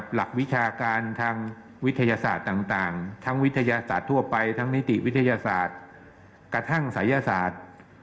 หลักวิชาการทางวิทยาศาสตร์ต่างทั้งวิทยาศาสตร์ทั่วไปทั้งนิติวิทยาศาสตร์กระทั่งศัยศาสตร์